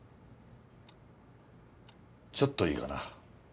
ちょっといいかな。